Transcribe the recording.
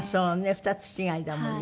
２つ違いだもんね。